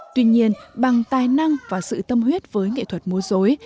tuy nhiên bằng tài năng và sự tâm huyết với nghệ thuật múa dối